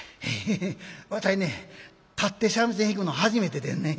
ヘヘヘわたいね立って三味線弾くの初めてでんねん。